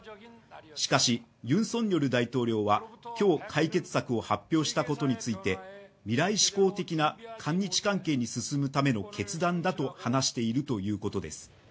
しかし、ユン・ソンニョル大統領は今日、解決策を発表したことについて未来志向的な韓日関係に進むための決断だと話しているということです。